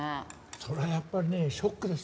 そりゃやっぱりねショックですよ。